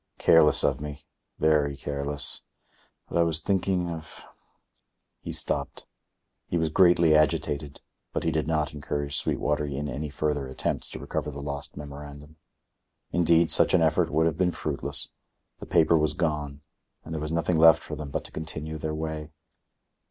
"Careless of me, very careless,—but I was thinking of—" He stopped; he was greatly agitated, but he did not encourage Sweetwater in any further attempts to recover the lost memorandum. Indeed, such an effort would have been fruitless; the paper was gone, and there was nothing left for them but to continue their way.